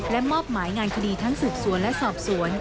และมอบหมายงานคดีทั้งสืบสวนและสอบสวน